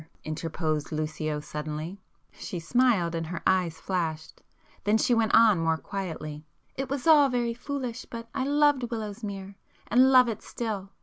interposed Lucio suddenly. She smiled and her eyes flashed,—then she went on more quietly— "It was all very foolish, but I loved Willowsmere, and love it still.